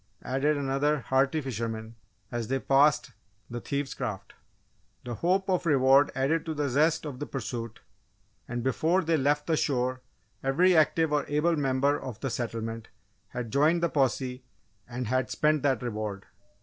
added another hearty fisherman, as they passed the thieves' craft. The hope of reward added to the zest of the pursuit and before they left the shore every active or able member of the settlement had joined the posse and had spent that reward!